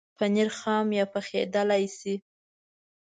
پنېر خام یا پخېدلای شي.